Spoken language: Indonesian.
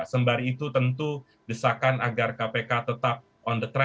sembar itu tentu desakan agar kpk tetap on the track tetap kita suarakan demikian mas